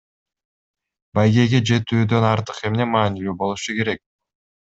Байгеге жетүүдөн артык эмне маанилүү болушу керек?